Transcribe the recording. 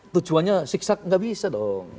tujuannya siksa gak bisa dong